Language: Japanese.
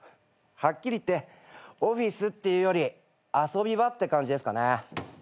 はっきり言ってオフィスっていうより遊び場って感じですかね。